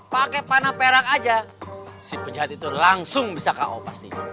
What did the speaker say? pakai panah perak aja si penjahat itu langsung bisa ko pasti